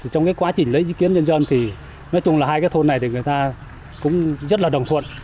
trong cái quá trình lấy ý kiến nhân dân thì nói chung là hai cái thôn này thì người ta cũng rất là đồng thuận